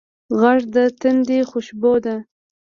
غږ د تندي خوشبو ده